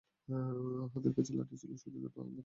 হাতের কাছে লাঠি ছিল, সজোরে তার মাথা লক্ষ্য করিয়া মারিলাম।